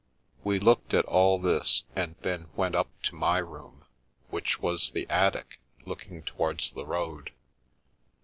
We looked at all this, and then went up to my room, which was the attic looking towards the road.